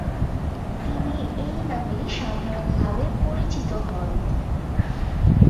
তিনি এই নামেই সাধারণভাবে পরিচিত হন।